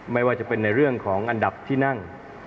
ไม่ว่าจะเป็นในเรื่องของอันดับที่นั่ง